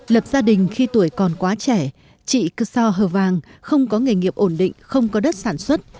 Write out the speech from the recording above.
lập gia đình khi tuổi còn quá trẻ chị cơ so hờ vàng không có nghề nghiệp ổn định không có đất sản xuất